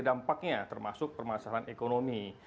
dampaknya termasuk permasalahan ekonomi